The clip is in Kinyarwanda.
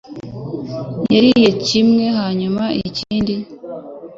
Yariye kimwe hanyuma ikindi